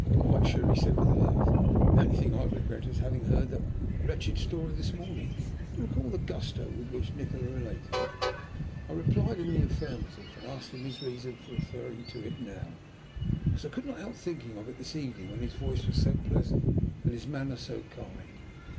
"Quite sure," he said, with a laugh. "The only thing I regret is having heard that wretched story this morning. Do you recall the gusto with which Nikola related it?" I replied in the affirmative, and asked him his reason for referring to it now. "Because I could not help thinking of it this evening, when his voice was so pleasant and his manner so kind.